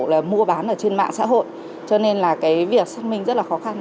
là mua bán ở trên mạng xã hội cho nên là cái việc xác minh rất là khó khăn